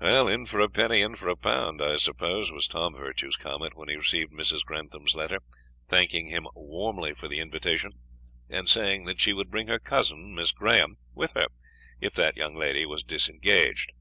"In for a penny, in for a pound, I suppose," was Tom Virtue's comment when he received Mrs. Grantham's letter, thanking him warmly for the invitation, and saying that she would bring her cousin, Miss Graham, with her, if that young lady was disengaged.